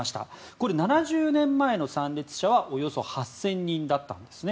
これ７０年前の参列者はおよそ８０００人だったんです。